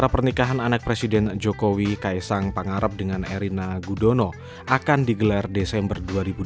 pernikahan anak presiden jokowi kaisang pangarep dengan erina gudono akan digelar desember dua ribu dua puluh